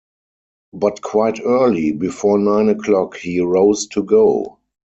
But quite early, before nine o’clock, he rose to go.